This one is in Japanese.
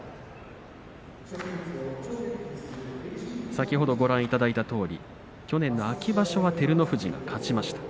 先ほどご覧いただいたとおり去年の秋場所は照ノ富士が勝ちました。